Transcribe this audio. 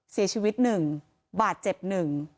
เสียชีวิตหนึ่งบาดเจ็บหนึ่ง